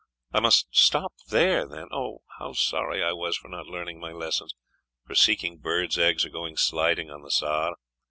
I must stop there, then! Oh, how sorry I was for not learning my lessons, for seeking birds' eggs, or going sliding on the Saar!